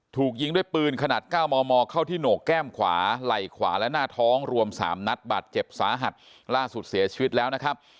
ถูกยิงด้วยปืนขนาด๙มมเข้าที่โหนกแก้มขวาไหล่ขวาและหน้าท้องรวม๓นัดบาดเจ็บสาหัสล่าสุดเสียชีวิตแล้วนะครับ